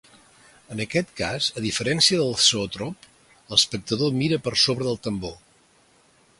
En aquest cas a diferència de zoòtrop l'espectador mira per sobre del tambor.